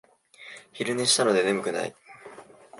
昼寝したので眠くない